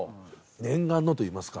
念願のと言いますか